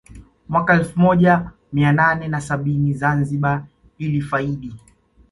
Mwaka wa elfu moja mia nane na sabini Zanzibar ilifaidi